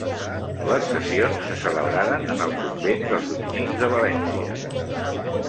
Les sessions se celebraren en el convent dels dominics de València.